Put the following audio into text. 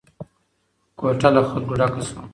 کوټه له خلکو ډکه شوه.